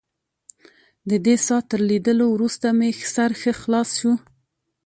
ددې څاه تر لیدلو وروسته مې سر ښه خلاص شو.